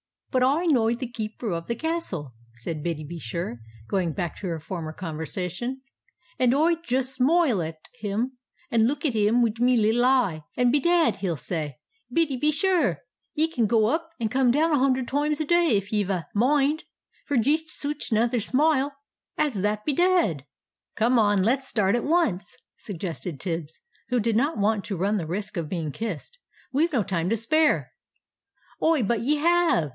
"But Oi know the Keeper of the Castle," said Biddy be sure, going back to her former conversation, "and Oi jist smoile at him, and look at him wid me little eye, and 'Bedad,' he'll say, 'Biddy be sure, ye can go up and come down a hundred toimes a day, if ye've a moind, for jist such another smoile as that, bedad!'" "Come on, let's start at once!" suggested Tibbs, who did not want to run the risk of being kissed. "We've no time to spare." "Oh, but ye have!"